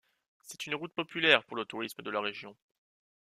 C'est une route populaire pour le tourisme dans la région.